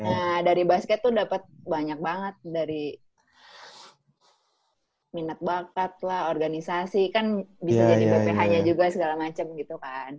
nah dari basket tuh dapet banyak banget dari minat bakat lah organisasi kan bisa jadi bph nya juga segala macem gitu kan